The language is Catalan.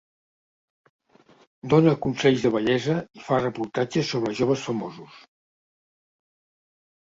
Dóna consells de bellesa i fa reportatges sobre joves famosos.